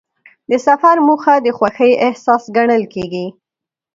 د سفر موخه د خوښۍ احساس ګڼل کېږي.